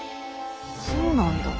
そうなんだ。